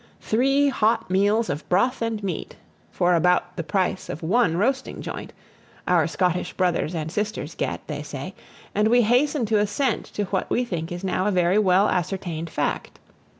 "Three hot meals of broth and meat, for about the price of ONE roasting joint," our Scottish brothers and sisters get, they say; and we hasten to assent to what we think is now a very well ascertained fact.